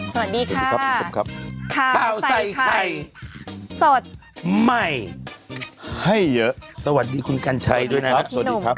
สวัสดีค่ะสวัสดีครับคุณผู้ชมครับข่าวใส่ไข่สดใหม่ให้เยอะสวัสดีคุณกัญชัยด้วยนะครับสวัสดีครับ